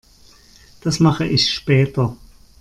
Das mache ich später.